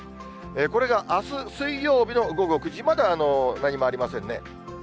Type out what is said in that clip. これがあす水曜日の午後９時、まだ何もありませんね。